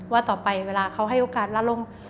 ว่าต่อไปเวลาเขาให้โอกาสละลง